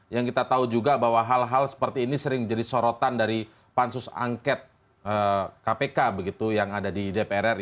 yang kita tahu juga bahwa hal hal seperti ini sering jadi sorotan dari pansus angket kpk begitu yang ada di dpr ri